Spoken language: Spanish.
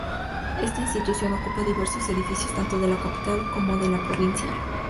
Esta institución ocupa diversos edificios, tanto de la capital como de la provincia.